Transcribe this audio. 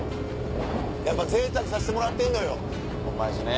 やっぱぜいたくさせてもらってんのよ。ホンマですね。